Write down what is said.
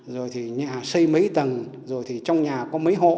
rồi thì nhà xây mấy tầng rồi thì trong nhà có mấy hộ